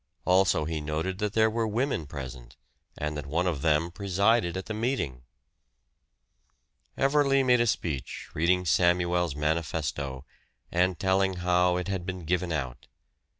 Also he noted that there were women present, and that one of them presided at the meeting. Everley made a speech, reading Samuel's manifesto, and telling how it had been given out.